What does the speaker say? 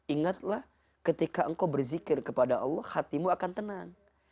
ingatlah ketika engkau berzikir kepada allah hatimu akan tenang